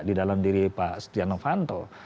di dalam diri pak setianovanto